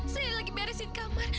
saya lagi beresin kamar